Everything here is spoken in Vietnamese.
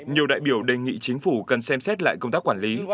nhiều đại biểu đề nghị chính phủ cần xem xét lại công tác quản lý